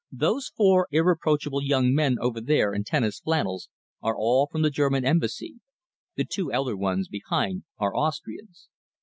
Those four irreproachable young men over there in tennis flannels are all from the German Embassy. The two elder ones behind are Austrians.